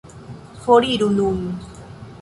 Foriru nun.